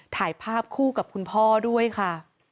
ถ่ายภาพคู่กับคุณพ่อด้วยค่ะ